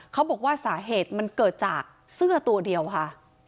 เขาบอกว่าสาเหตุมันเกิดจากเสื้อตัวเดียวค่ะ